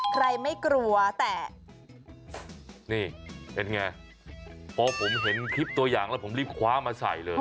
ใครไม่กลัวแต่นี่เป็นไงพอผมเห็นคลิปตัวอย่างแล้วผมรีบคว้ามาใส่เลย